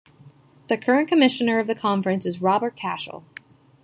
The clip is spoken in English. The current commissioner of the conference is Robert Cashell.